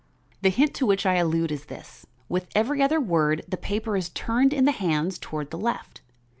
The hint to which I allude is this. With every other word the paper is turned in the hands toward the left.